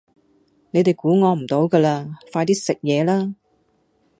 你哋估我唔到㗎嘞，快啲食嘢啦